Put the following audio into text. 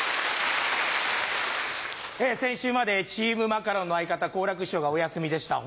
先週までチームマカロンの相方好楽師匠がお休みでした。